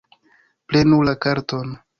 Prenu la karton